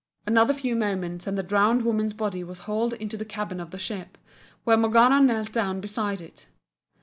Another few moments and the drowned woman's body was hauled into the cabin of the ship, where Morgana knelt down beside it.